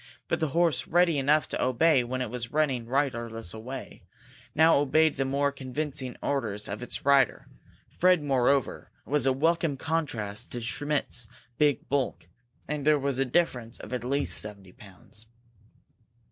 But the horse, ready enough to obey when it was running riderless away, now obeyed the more convincing orders of its rider. Fred, moreover, was a welcome contrast to Schmidt's big bulk; there was a difference of at least seventy pounds.